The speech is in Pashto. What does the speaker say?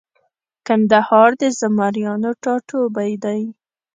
کندهار د زمریانو ټاټوبۍ دی